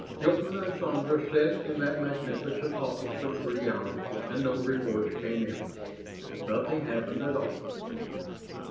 Hilton and Sandra sat in that magnificent office for three hours, and no reports came in. Nothing happened at all.